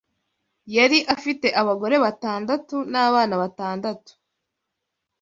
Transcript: Yari afite abagore batandatu n’abana batandatu